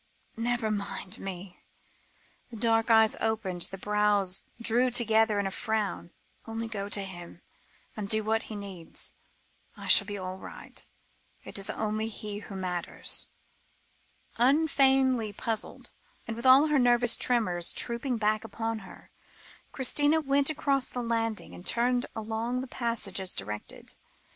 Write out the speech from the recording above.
"Never mind me," the dark eyes opened, the brows drew together in a frown; "only go to him and do what he needs. I shall be all right; it is only he who matters." Unfeignedly puzzled, and with all her nervous tremors trooping back upon her, Christina went across the landing, and turned along the passage as directed.